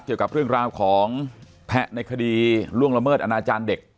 เกี่ยวกับเรื่องราวของแพะในคดีล่วงละเมิดอนาจารย์เด็ก